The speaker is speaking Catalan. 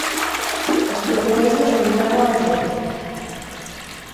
Els portuguesos aniran a les urnes